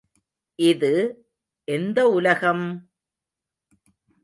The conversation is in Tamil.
இது எந்த உலகம்!